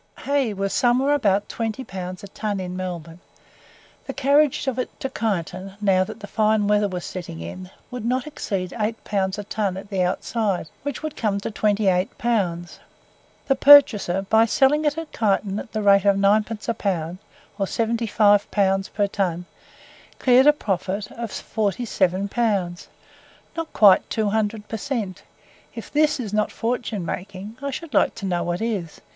Hay was somewhere about 20 pounds a ton in Melbourne. The carriage of it to Kyneton, now that the fine weather was setting in, would not exceed 8 pounds a ton at the outside, which would come to 28 pounds. The purchaser, by selling it at Kyneton at the rate of 9d. a pound, or 75 pounds per ton, cleared a profit of 47 pounds NOT QUITE 200 PER CENT. If THIS is not fortune making, I should like to know what is.